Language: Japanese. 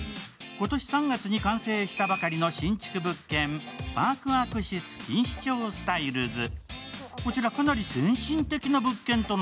今年３月に完成したばかりの新築物件、パークアクシス錦糸町スタイルズ。